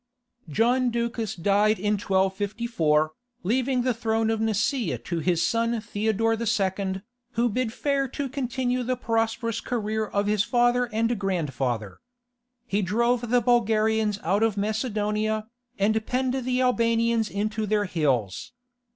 John Ducas died in 1254, leaving the throne of Nicaea to his son Theodore II., who bid fair to continue the prosperous career of his father and grandfather. He drove the Bulgarians out of Macedonia, and penned the Albanians into their hills.